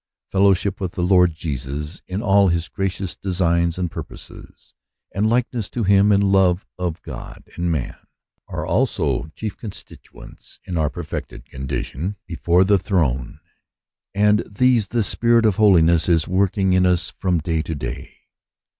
Fellowship with the Lord Jesus in all his gracious designs and purposes, and likeness to him in love to God and man, are also chief constituents in our perfected condition before 124 According to the Promise, the throne ; and these the Spirit of holinesss is working in us from day to day.